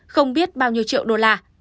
không biết bao nhiêu triệu đô la